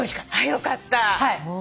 よかった。